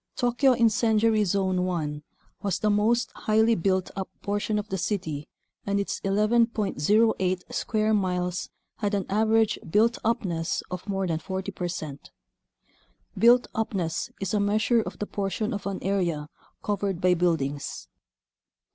Tokyo Incendiary Zone 1 was the most highly built up portion of the city and its 11.08 square miles had an average built upness of more than 40 percent. (Built upness is a measure of the portion of an area covered by buildings.)